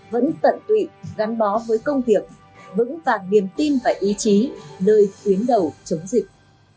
vẫn tận tụy gắn bó với công việc vững vàng niềm tin và ý chí nơi tuyến đầu chống dịch